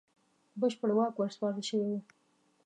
بشپړ واک ورسپارل شوی وو.